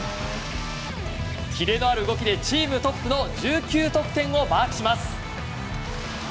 キレのある動きでチームトップの１９得点をマークします。